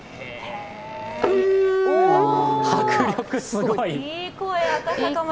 迫力すごい。